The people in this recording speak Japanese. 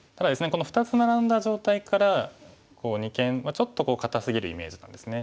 この２つナラんだ状態から二間ちょっと堅すぎるイメージなんですね。